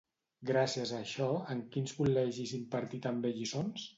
Gràcies a això, en quins col·legis impartí també lliçons?